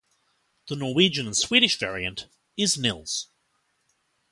The Norwegian and Swedish variant is Nils.